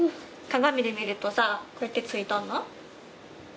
鏡で見るとさ、こうやってついとんの？